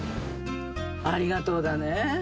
ありがとうだね。